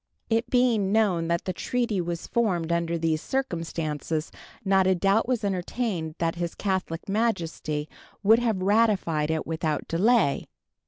It being known that the treaty was formed under these circumstances, not a doubt was entertained that His Catholic Majesty would have ratified it without delay.